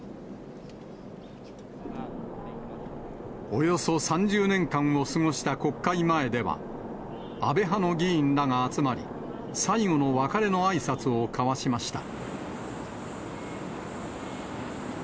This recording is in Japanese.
およそ３０年間を過ごした国会前では、安倍派の議員らが集まり、最後の別れのあいさつを交わしました。